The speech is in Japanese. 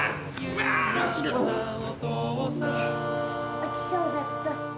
おちそうだった。